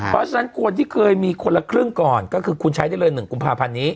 เพราะฉะนั้นคนที่เคยมีคนละครึ่งก่อนก็คือคุณใช้ได้เลย๑กุมภาพันธ์นี้